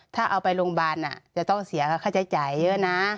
ถ้าเอาไปโรงพยาบาลจะต้องเสียค่าใช้จ่ายเยอะนะ